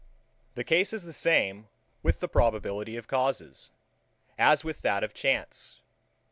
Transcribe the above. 47. The case is the same with the probability of causes, as with that of chance.